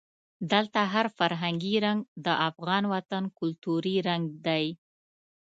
دلته هر فرهنګي رنګ د افغان وطن کلتوري رنګ دی.